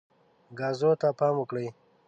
ګازو ته پام وکړئ.